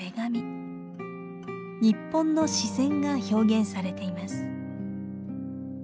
日本の自然が表現されています。